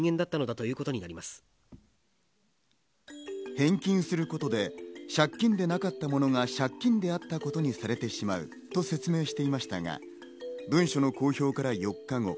返金することで、借金ではなかったものが借金であったことにされてしまうと説明していましたが、文書の公表から４日後。